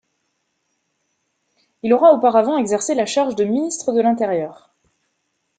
Il a auparavant exercé la charge de ministre de l'Intérieur.